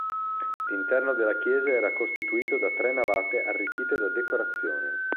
L'interno della chiesa era costituito da tre navate arricchite da decorazioni.